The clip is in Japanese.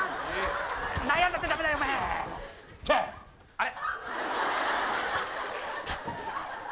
あれ？